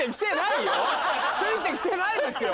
ついて来てないですよ。